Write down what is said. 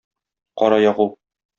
Кара ягу.